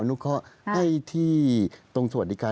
ลุงเอี่ยมอยากให้อธิบดีช่วยอะไรไหม